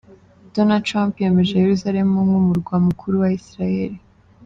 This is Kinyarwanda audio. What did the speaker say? Donald Trump yemeje Yerusaremu nk'umurwa mukuru wa Isirayeri.